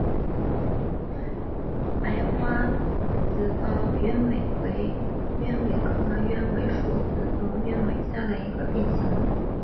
白花紫苞鸢尾为鸢尾科鸢尾属紫苞鸢尾下的一个变型。